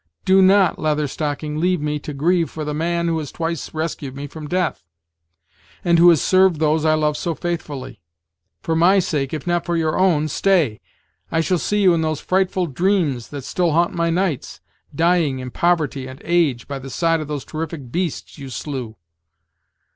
"Do not, Leather Stocking, leave me to grieve for the man who has twice rescued me from death, and who has served those I love so faithfully. For my sake, if not for your own, stay. I shall see you in those frightful dreams that still haunt my nights, dying in poverty and age, by the side of those terrific beasts you slew.